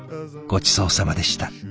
ごちそうさまでした。